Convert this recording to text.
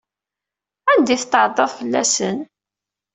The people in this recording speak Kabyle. Anda ay tetɛeddaḍ fell-asen?